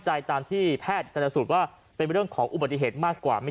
ตามที่แพทย์ชนสูตรว่าเป็นเรื่องของอุบัติเหตุมากกว่าไม่